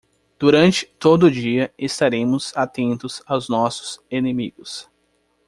Durante todo o dia estaremos atentos aos nossos inimigos.